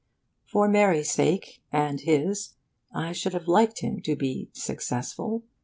For Mary's sake, and his, I should have liked him to be 'successful.